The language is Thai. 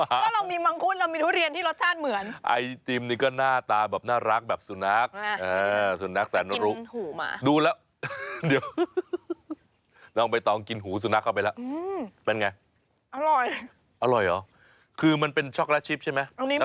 อันนี้มันจะเหมือนคุกกี้เอ็นด์ครีมอ่ะคุณผู้ชม